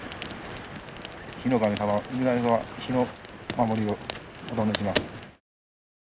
火の神様氏神様火の守りをお頼みします。